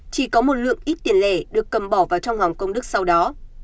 chỉ có một lượng ít tiền lẻ được cầm bỏ vào trong hòng công đức sau đó